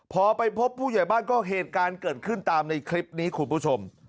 พอไปพบผู้ใหญ่บ้านก็เหตุการณ์เกิดขึ้นตามในคลิปนี้คุณผู้ชม